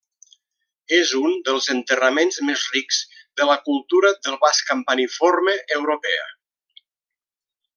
És un dels enterraments més rics de la cultura del vas campaniforme europea.